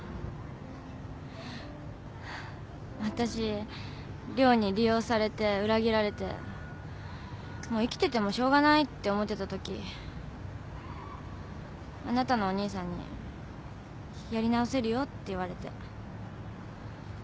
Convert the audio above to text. わたし涼に利用されて裏切られてもう生きててもしょうがないって思ってたときあなたのお兄さんにやり直せるよって言われて。